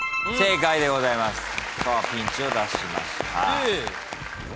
不正解でございます。